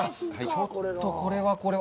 ちょっとこれは、これは。